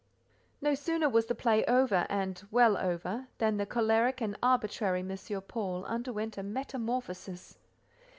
No sooner was the play over, and well over, than the choleric and arbitrary M. Paul underwent a metamorphosis.